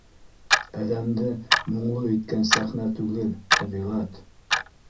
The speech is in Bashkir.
Әҙәмде моңло иткән сәхнә түгел - тәбиғәт.